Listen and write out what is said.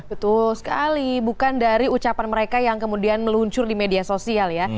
betul sekali bukan dari ucapan mereka yang kemudian meluncur di media sosial ya